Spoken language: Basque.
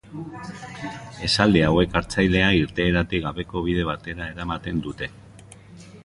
Esaldi hauek hartzailea irteerarik gabeko bide batera eramaten dute.